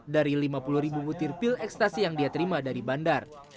dari lima puluh ribu butir pil ekstasi yang dia terima dari bandar